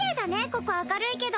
ここ明るいけど。